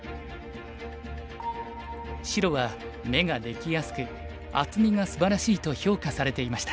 白は眼ができやすく厚みがすばらしいと評価されていました。